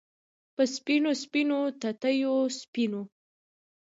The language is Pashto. په سپینو، سپینو تتېو سپینو